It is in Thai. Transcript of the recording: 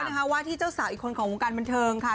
นะคะว่าที่เจ้าสาวอีกคนของวงการบันเทิงค่ะ